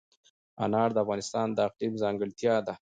انار د افغانستان د اقلیم ځانګړتیا ده.